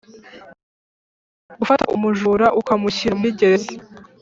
gufata umujura ukamushyira muri gereza.